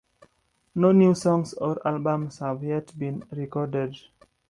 No new songs or albums have yet been recorded.